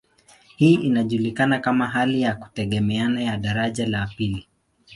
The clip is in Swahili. Hii inajulikana kama hali ya kutegemeana ya daraja la pili.